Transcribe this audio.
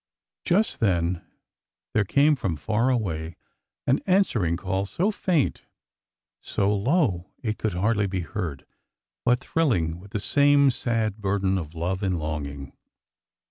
Just then there came from far away an answering call —so faint, so low it could hardly be heard, but thrilling with the same sad burden of love and longing.